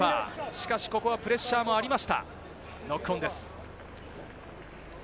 しかしここはプレッシャーもありましたノックオンです。